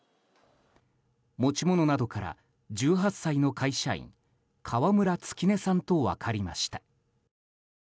持ち物などから１８歳の会社員川村月音さんと分かりました。